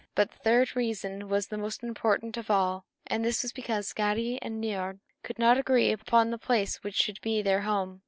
But the third reason was the most important of all; and this was because Skadi and Niörd could not agree upon the place which should be their home.